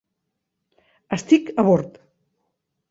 Estic a bord.